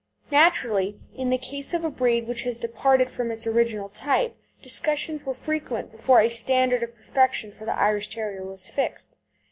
Naturally in the case of a breed which has departed from its original type, discussions were frequent before a standard of perfection for the Irish Terrier was fixed.